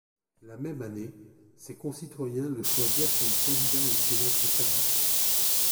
La même année, ses concitoyens le choisirent comme candidat au Sénat conservateur.